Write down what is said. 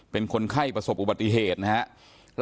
เป็นคนไข้ประสบอุบัติเหตุนะครับ